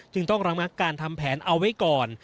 จึงต้องระงับการทำแผนเอาไว้ก่อน